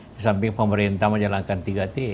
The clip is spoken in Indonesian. disamping pemerintah menjalankan tiga t